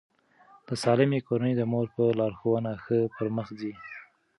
د سالمې کورنۍ د مور په لارښوونه ښه پرمخ ځي.